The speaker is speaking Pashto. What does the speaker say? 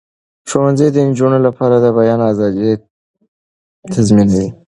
ښوونځي د نجونو لپاره د بیان آزادي تضمینوي.